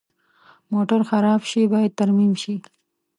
موټر خراب شي، باید ترمیم شي.